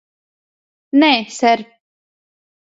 Nē, ser.